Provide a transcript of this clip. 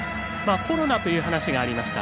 コロナという話がありました。